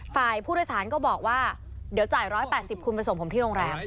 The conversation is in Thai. ฝ่ายผู้โดยสารก็บอกว่าเดี๋ยวจ่าย๑๘๐คุณไปส่งผมที่โรงแรม